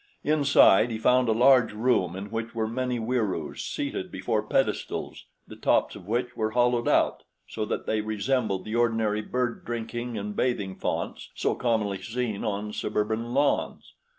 Inside he found a large room in which were many Wieroos seated before pedestals the tops of which were hollowed out so that they resembled the ordinary bird drinking and bathing fonts so commonly seen on suburban lawns.